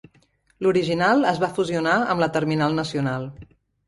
L'original es va fusionar amb la terminal nacional.